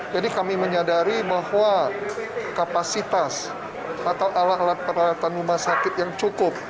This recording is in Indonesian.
jadi kami menyadari bahwa kapasitas atau alat alat peralatan rumah sakit yang cukup